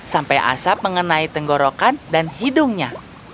sampai asap mengenai tenggorokan dan hidungnya